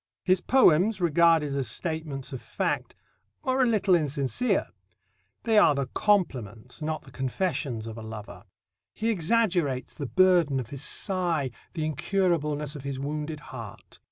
His poems, regarded as statements of fact, are a little insincere. They are the compliments, not the confessions, of a lover. He exaggerates the burden of his sigh, the incurableness of his wounded heart.